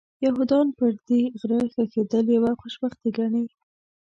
یهودان پر دې غره ښخېدل یوه خوشبختي ګڼي.